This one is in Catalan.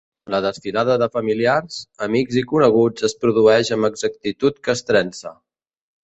La desfilada de familiars, amics i coneguts es produeix amb exactitud castrense.